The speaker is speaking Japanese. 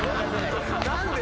何で？